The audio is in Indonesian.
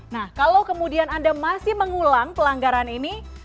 nah kalau kemudian anda masih mengulang pelanggaran ini